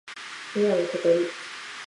南ことり